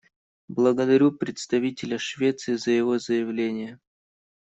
Благодарю представителя Швеции за его заявление.